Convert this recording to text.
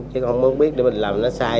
chứ không muốn biết để mình làm nó sai